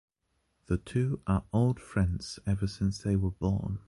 The two are old friends ever since they were boys.